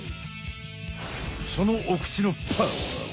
そのお口のパワーは？